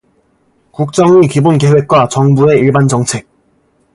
국정의 기본계획과 정부의 일반정책